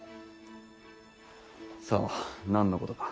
さあ何のことか。